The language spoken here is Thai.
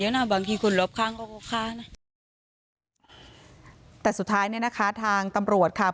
เยอะนะบางที่คนรอบค้างก็ก็ค้านะแต่สุดท้ายอันนี้นะคะทางตำรวจค่ะ